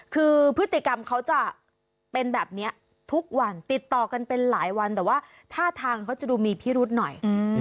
คือพฤติกรรมเขาจะเป็นแบบนี้ทุกวันติดต่อกันเป็นหลายวันแต่ว่าท่าทางเขาจะดูมีพิรุธหน่อย